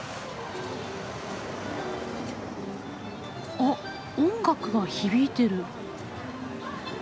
あっ音楽が響いてる。